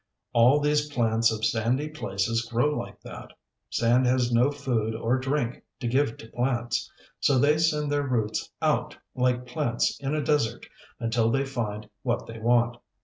All these plants of sandy places grow like that. Sand has no food or drink to give to plants. So they send their roots out, like plants in a desert, until they find what they want.